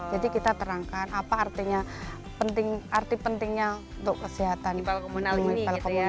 jadi kita terangkan apa artinya arti pentingnya untuk kesehatan ipal komunal ini